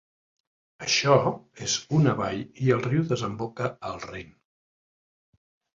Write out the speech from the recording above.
Això és una vall i el riu desemboca al Rin.